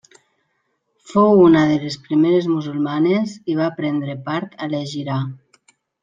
Fou una de les primeres musulmanes i va prendre part a l'hègira.